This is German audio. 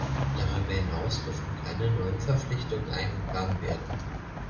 Darüber hinaus durften keine neuen Verpflichtungen eingegangen werden.